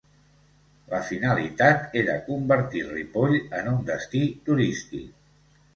La finalitat era convertir Ripoll en un destí turístic.